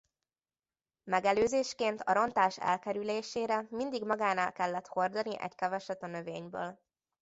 Megelőzésként a rontás elkerülésére mindig magánál kellett hordani egy keveset a növényből.